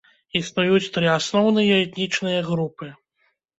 Існуюць тры асноўныя этнічныя групы.